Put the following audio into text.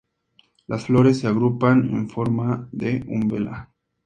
Las flores se agrupan en forma de umbela.